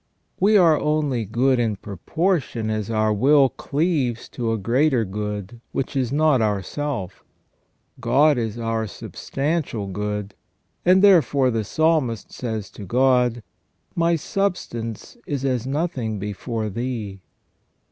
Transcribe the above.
We are only good in proportion as our will cleaves to a greater good, which is not ourself. God is our substantial SELF AND CONSCIENCE. 123 good, and therefore the Psalmist says to God :" My substance is as nothing before Thee